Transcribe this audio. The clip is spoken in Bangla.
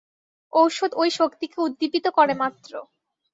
ঔষধ ঐ শক্তিকে উদ্দীপিত করে মাত্র।